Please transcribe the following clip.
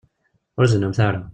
Ur zennumt ara.